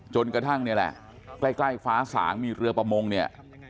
จนกระทั่งนี่แหละใกล้ฟ้าสางมีเรือประมงเนี่ย